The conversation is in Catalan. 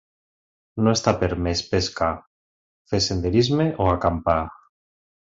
No està permès pescar, fer senderisme o acampar.